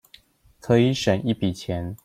可以省一筆錢